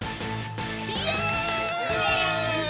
イエーイ！